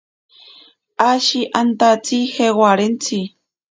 Isha antatsi jewarontsi.